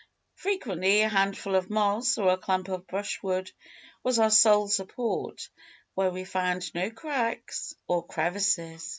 Frequently, a handful of moss or a clump of brushwood was our sole support, where we found no cracks or crevices.